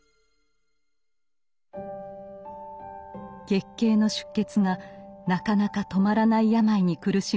月経の出血がなかなか止まらない病に苦しむ女性がいました。